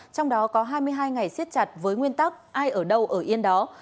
trong đó có hai mươi hai ngày siết chặt với nguyên tắc ai ở đâu ở yên đó